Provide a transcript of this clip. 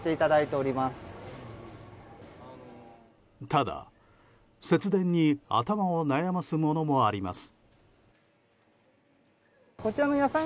ただ、節電に頭を悩ますものもあります。